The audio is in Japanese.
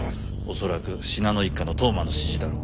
恐らく信濃一家の当麻の指示だろう。